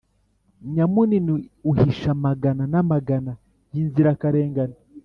nyamunini uhishe amagana n'amagana y'inzirakarengane